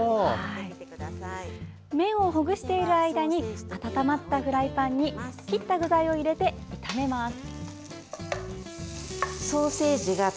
麺をほぐしている間に温まったフライパンに切った具材を入れて、炒めます。